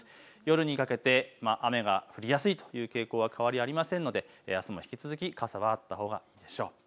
夜にかけて雨が降りやすいという傾向は変わりありませんのであすも引き続き傘があったほうがいいでしょう。